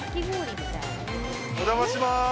お邪魔します！